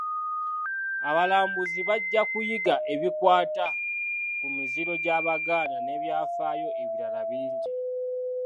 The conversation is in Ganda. Abalambuzi bajja kuyiga ebikwata ku miziro gy’Abaganda n’ebyafaayo ebirala bingi.